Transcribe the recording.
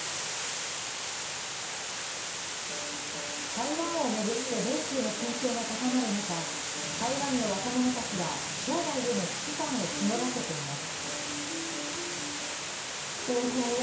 台湾を巡って米中の緊張が高まる中、台湾の若者たちは将来への危機感を募らせています。